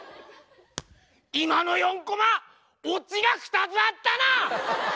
今の４コマオチが２つあったな！